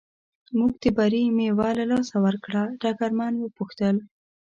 موږ د بري مېوه له لاسه ورکړه، ډګرمن و پوښتل.